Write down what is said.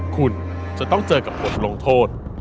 คุณจะต้องเจอกับบทลงโทษ